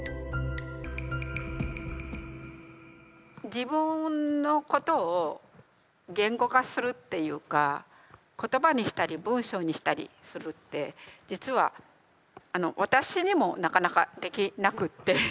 自分のことを言語化するっていうか言葉にしたり文章にしたりするって実は私にもなかなかできなくって。